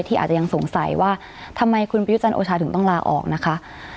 อาจจะยังสงสัยว่าทำไมคุณประยุจันทร์โอชาถึงต้องลาออกนะคะ